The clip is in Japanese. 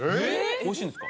美味しいんですか？